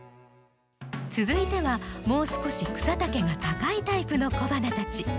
続いてはもう少し草丈が高いタイプの小花たち。